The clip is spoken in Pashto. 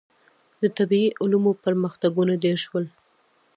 • د طبیعي علومو پرمختګونه ډېر شول.